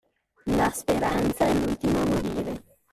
La speranza è l'ultima a morire.